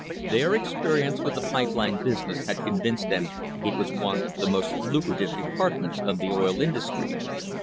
Their experience with the pipe line business had convinced them it was one of the most lucrative departments of the oif industry.